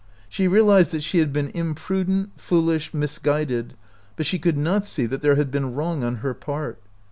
She realized that she had been 46 OUT OF BOHEMIA imprudent, foolish, misguided, but she could not see that there had been wrong on her part.